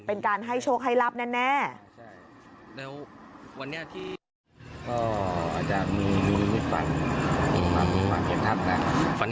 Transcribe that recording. เป็นการให้โชคให้รับแน่แล้ววันนี้อาทิตย์